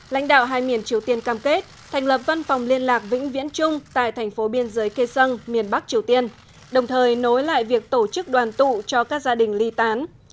lãnh đạo hai miền triều tiên cam kết thành lập văn phòng liên lạc vĩnh viễn trung tại thành phố biên giới kê sân miền bắc triều tiên đồng thời nối lại việc tổ chức đoàn tụ cho các gia đình ly tán